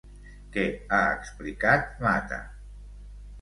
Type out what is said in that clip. Què ha explicat Mata?